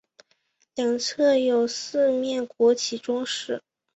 两侧有四面国旗装饰。